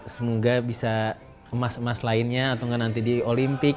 semoga bisa emas emas lainnya atau nanti di olimpik